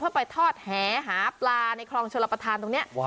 เพื่อไปทอดแหหาปลาในคลองชลประธานตรงนี้